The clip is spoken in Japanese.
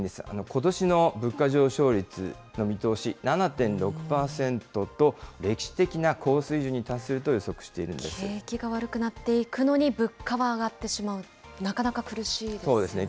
ことしの物価上昇率の見通し、７．６％と、歴史的な高水準に達する景気が悪くなっていくのに、物価は上がってしまう、なかなか苦しいですね。